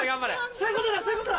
そういうことだそういうことだ！